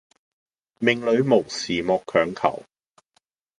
命裡無時莫強求